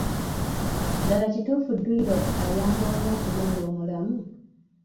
Ddala kituufu dduyiro ayamba omu okubeera omulamu?